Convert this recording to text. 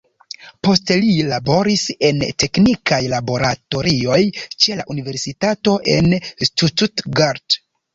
Poste li laboris en teknikaj laboratorioj ĉe la universitato en Stuttgart.